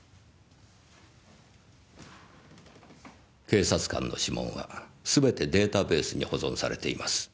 警察官の指紋はすべてデータベースに保存されています。